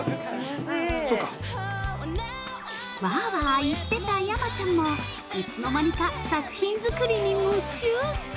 ◆わあわあ言ってた山ちゃんもいつの間にか作品作りに夢中。